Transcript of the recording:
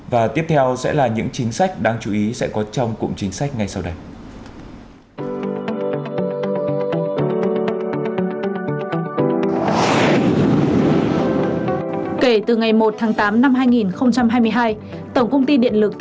và tiếp theo sẽ là những chính sách đáng chú ý sẽ có trong cụm chính sách ngay sau đây